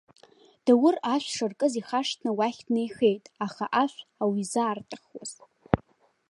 Даур ашә шаркыз ихашҭны уахь днеихеит, аха ашә ауизаартыхуаз.